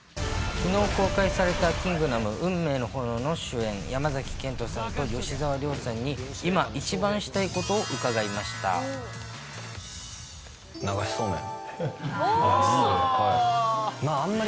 きのう公開されたキングダム運命の炎の主演、山崎賢人さんと吉沢亮さんに、今一番したいこ流しそうめん。